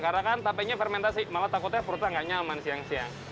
karena kan tapainya fermentasi malah takutnya perutnya nggak nyaman siang siang